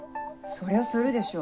そりゃするでしょ